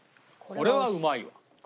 これはうまいよ。